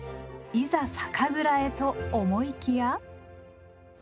いざ酒蔵へと思いきや。